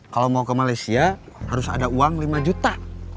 kalau mau ke malaysia harus ada uang lima juta